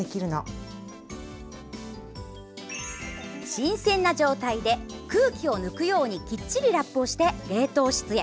新鮮な状態で空気を抜くようにきっちりラップをして冷凍室へ。